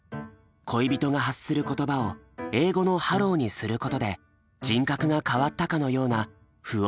恋人が発する言葉を英語の「Ｈｅｌｌｏ」にすることで人格が変わったかのような不穏な空気まで表現した。